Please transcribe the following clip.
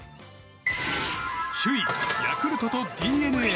首位ヤクルトとＤｅＮＡ。